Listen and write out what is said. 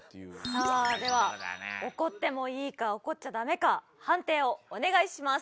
さあでは怒ってもいいか怒っちゃダメか判定をお願いします。